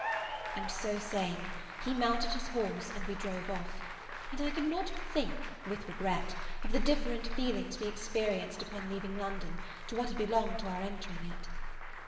And so saying he mounted his horse and we drove off. And I could not but think, with regret, of the different feelings we experienced upon leaving London, to what had belonged to our entering it.